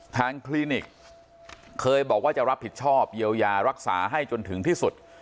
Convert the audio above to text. คลินิกเคยบอกว่าจะรับผิดชอบเยียวยารักษาให้จนถึงที่สุด